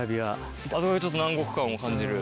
あの辺ちょっと南国感を感じる。